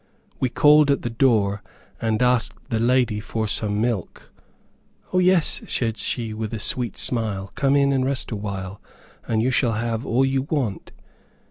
We called at the door, and asked the lady for some milk. "O yes," said she, with a sweet smile, "come in, and rest awhile, and you shall have all you want."